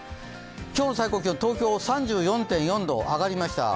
今日の最高気温、東京３４．４度、上がりました。